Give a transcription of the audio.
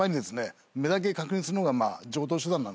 目だけ確認するのが常とう手段なんですね。